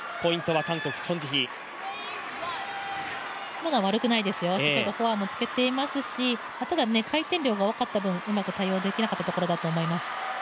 まだ悪くないですよ、フォアも突けていますしただ回転量が多かった分、うまく対応できなかったところだと思います。